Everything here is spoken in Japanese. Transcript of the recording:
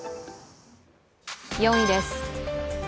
４位です。